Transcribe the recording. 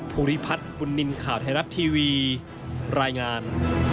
ภูริพัฒน์ปุณินข่าวไทยรับทีวีรายงาน